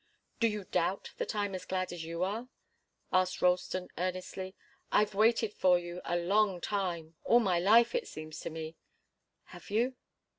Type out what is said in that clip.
"Do you doubt that I'm as glad as you are?" asked Ralston, earnestly. "I've waited for you a long time all my life, it seems to me." "Have you?"